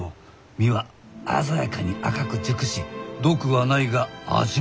実は鮮やかに赤く熟し毒はないが味もない。